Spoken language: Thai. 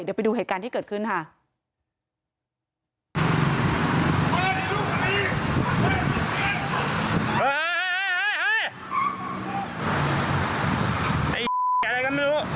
เดี๋ยวไปดูเหตุการณ์ที่เกิดขึ้นค่ะ